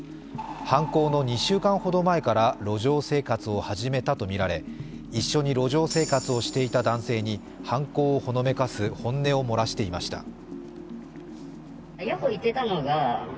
犯行の２週間ほど前から路上生活を始めたとみられ、一緒に路上生活をしていた男性に犯行をほのめかす本音を漏らしていました。